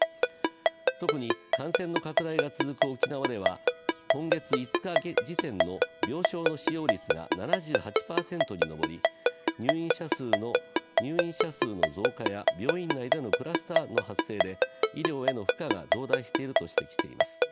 特に感染の拡大が続く沖縄では今月５日時点の病床の使用率が７８％に上り入院者数の増加や病院内でのクラスターの発生で医療への負荷が増大していると指摘しています。